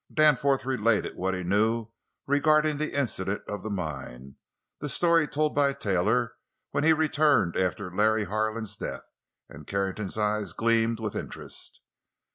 Danforth related what he knew regarding the incident of the mine—the story told by Taylor when he returned after Larry Harlan's death—and Carrington's eyes gleamed with interest.